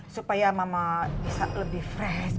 supaya mama bisa lebih fresh